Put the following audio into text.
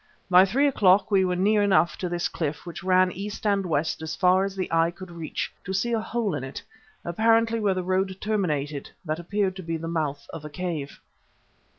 By three o'clock we were near enough to this cliff, which ran east and west as far as the eye could reach, to see a hole in it, apparently where the road terminated, that appeared to be the mouth of a cave.